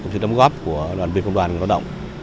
cũng như đóng góp của đoàn viên công đoàn công tác động